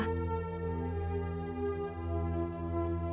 saya akan mencari suami saya